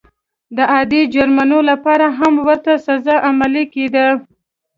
د عادي جرمونو لپاره هم ورته سزا عملي کېده.